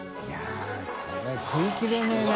舛これ食い切れねぇな。